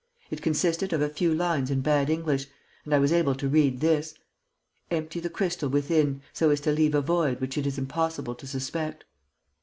It consisted of a few lines in bad English; and I was able to read this: 'Empty the crystal within, so as to leave a void which it is impossible to suspect.